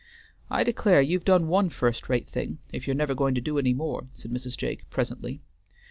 "I declare you've done one first rate thing, if you're never going to do any more," said Mrs. Jake, presently.